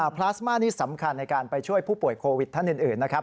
พลาสมานี่สำคัญในการไปช่วยผู้ป่วยโควิดท่านอื่นนะครับ